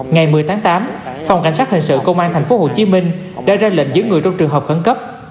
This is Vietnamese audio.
ngày một mươi tháng tám phòng cảnh sát hình sự công an thành phố hồ chí minh đã ra lệnh giữ người trong trường hợp khẩn cấp